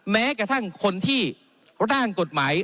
แม้กระทั่งคนที่ร่างกฎหมาย